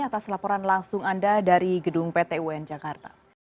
atas laporan langsung anda dari gedung pt un jakarta